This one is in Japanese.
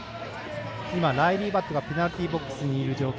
ライリー・バットがペナルティーボックスにいる状況。